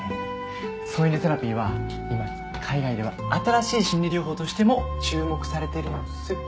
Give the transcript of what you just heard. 添い寝セラピーは今海外では新しい心理療法としても注目されてるんす。